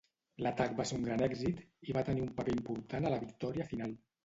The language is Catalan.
L"atac va ser un gran èxit i va tenir un paper important a la victòria final.